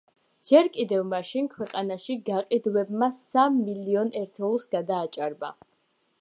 ჯერ კიდევ მაშინ, ქვეყანაში გაყიდვებმა სამ მილიონ ერთეულს გადააჭარბა.